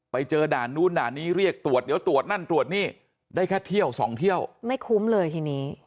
ไปเจอด่านนู้นด่านนี้เรียกตรวจเดี๋ยวตรวจนั่นตรวจนี่ได้แค่เที่ยวสองเที่ยวไม่คุ้มเลยทีนี้